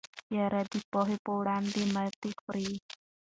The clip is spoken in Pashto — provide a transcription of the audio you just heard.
تیاره د پوهې په وړاندې ماتې خوري.